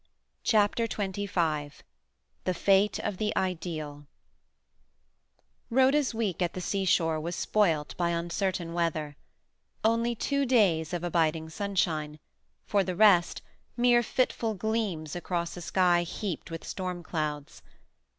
CHAPTER XXV THE FATE OF THE IDEAL Rhoda's week at the seashore was spoilt by uncertain weather. Only two days of abiding sunshine; for the rest, mere fitful gleams across a sky heaped with stormclouds.